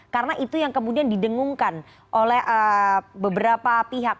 karena itu yang kemudian didengungkan oleh beberapa pihak